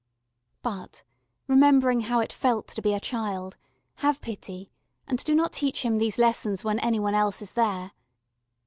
But, remembering how it felt to be a child, have pity, and do not teach him these lessons when any one else is there.